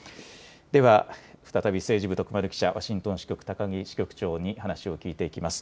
では再び政治部徳丸記者、ワシントン支局、高木支局長に話を聞いていきます。